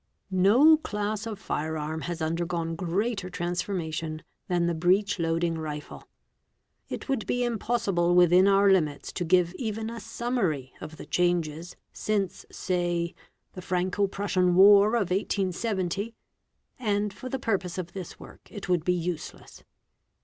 No class of fire arm has undergone greater transformation than the eech loading rifle. It would be impossible within our limits to give yen a summary of the changes since, say, the Franco Prussian war of 432 WEAPONS 1870, and for the purpose of this work it would be useless.